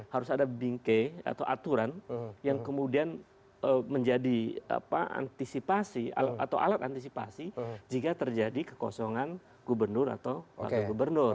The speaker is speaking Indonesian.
harus ada bingkai atau aturan yang kemudian menjadi antisipasi atau alat antisipasi jika terjadi kekosongan gubernur atau wakil gubernur